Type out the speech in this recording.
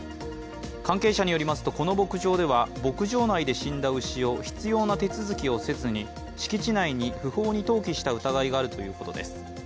関係者によりますと、この牧場では牧場内で死んだ牛を必要な手続きをせずに敷地内に不法に投棄した疑いがあるということです。